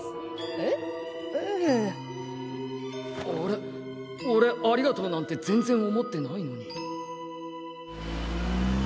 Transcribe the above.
おれありがとうなんて全然思ってないのに。